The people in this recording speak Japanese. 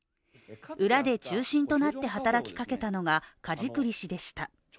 裏で中心となって働きかけたのが梶栗氏でした。